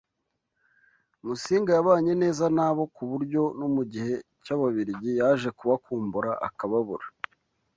Musinga yabanye neza nabo, ku buryo no mu gihe cy’Ababiligi yaje kubakumbura akababura